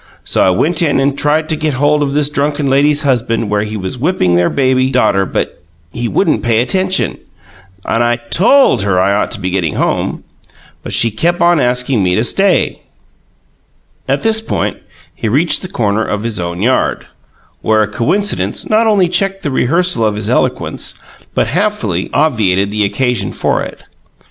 So I went in and tried to get hold of this drunken lady's husband where he was whipping their baby daughter, but he wouldn't pay any attention, and I TOLD her I ought to be getting home, but she kep' on askin' me to stay " At this point he reached the corner of his own yard, where a coincidence not only checked the rehearsal of his eloquence but happily obviated all occasion for it.